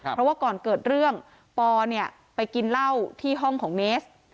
เพราะว่าก่อนเกิดเรื่องปอเนี่ยไปกินเหล้าที่ห้องของเนส